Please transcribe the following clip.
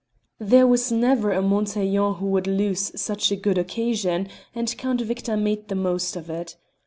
There was never a Montaiglon who would lose such a good occasion, and Count Victor made the most of it.